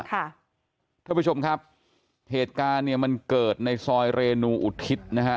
ท่านผู้ชมครับเหตุการณ์เนี่ยมันเกิดในซอยเรนูอุทิศนะฮะ